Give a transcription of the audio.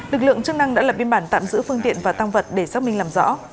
lực lượng chức năng đã lập biên bản tạm giữ phương tiện và tăng vật để xác minh làm rõ